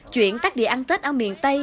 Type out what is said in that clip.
chuyện tác địa ăn tết ở miền tây